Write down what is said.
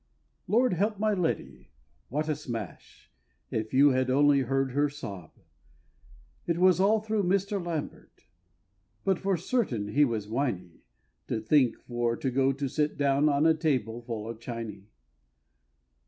Lord help my Lady! what a smash! if you had only heard her sob! It was all through Mr. Lambert: but for certain he was winey, To think for to go to sit down on a table full of Chiney.